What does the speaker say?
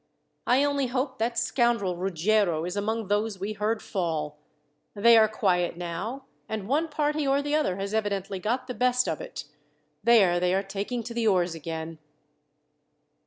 I only hope that scoundrel Ruggiero is among those we heard fall. They are quiet now, and one party or the other has evidently got the best of it. There, they are taking to the oars again."